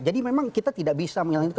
jadi memang kita tidak bisa menghilangkan